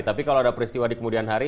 tapi kalau ada peristiwa di kemudian hari